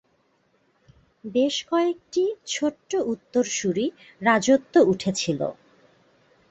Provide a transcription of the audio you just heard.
বেশ কয়েকটি ছোট্ট উত্তরসূরি রাজত্ব উঠেছিল।